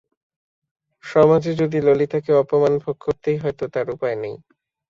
সমাজে যদি ললিতাকে অপমান ভোগ করতেই হয় তো তার উপায় নেই।